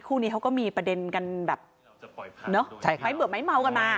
คู่นี้เขาก็มีประเด็นกันแบบเนอะไม้เบื่อไม้เมากันมา